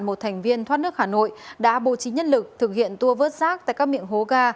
một thành viên thoát nước hà nội đã bố trí nhân lực thực hiện tour vớt rác tại các miệng hố ga